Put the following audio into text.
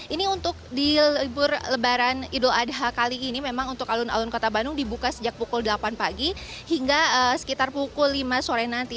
ini untuk di libur lebaran idul adha kali ini memang untuk alun alun kota bandung dibuka sejak pukul delapan pagi hingga sekitar pukul lima sore nanti